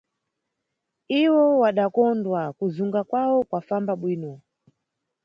Iwo wadakondwa, kuzunga kwawo kwafamba bwino.